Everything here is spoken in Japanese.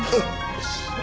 よし。